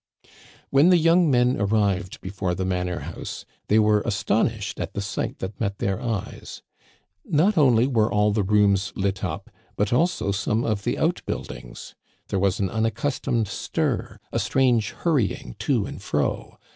When the young men arrived before the manor Digitized by VjOOQIC EtHABERVILLE MANOR HOUSE, 109 house, they were astonished at the sight that met their eyes. Not only were all the rooms lit up, but also some of the out buildings. There was an unaccustomed stir, a strange hurrying to and fro.